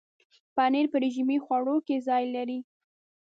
پنېر په رژیمي خواړو کې ځای لري.